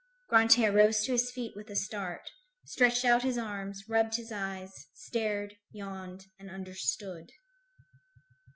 Grantaire rose to his feet with a start, stretched out his arms, rubbed his eyes, stared, yawned, and understood.